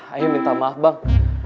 ayah minta maaf bang